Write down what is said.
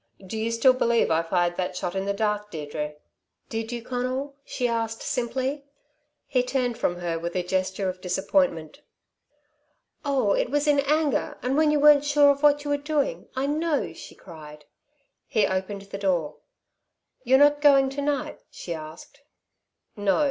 "Do you still believe I fired that shot in the dark, Deirdre?" "Did you, Conal?" she asked simply. He turned from her with a gesture of disappointment. "Oh, it was in anger, and when you weren't sure of what you were doing, I know," she cried. He opened the door. "You're not going to night?" she asked. "No.